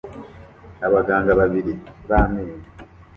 Abaganga babiri b'amenyo